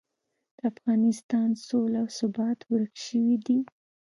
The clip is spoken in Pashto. د افغانستان سوله او ثبات ورک شوي دي.